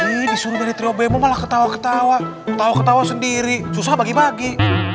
ih disuruh nyari trio bmo malah ketawa ketawa ketawa ketawa sendiri susah bagi bagi